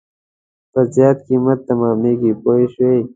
په زیات قیمت تمامېږي پوه شوې!.